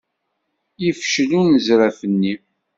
Yefcel unezraf-nni.